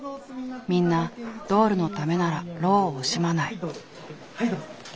みんなドールのためなら労を惜しまない。